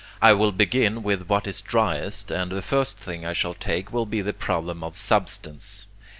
I will begin with what is driest, and the first thing I shall take will be the problem of Substance.